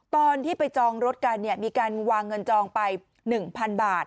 ตอนที่ไปจองรถกันมีการวางเงินจองไป๑๐๐๐บาท